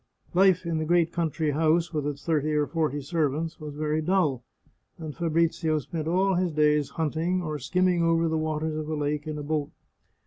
Life in the great country house, with its thirty or forty servants, was very dull ; and Fabrizio spent all his days hunting, or skimming over the waters of the lake in a boat.